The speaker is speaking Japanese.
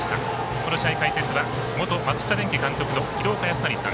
この試合、解説は元松下電器監督の廣岡資生さん。